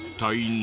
何？